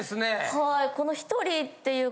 はい。